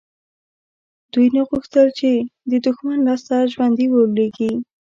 دوی نه غوښتل چې د دښمن لاسته ژوندي ولویږي.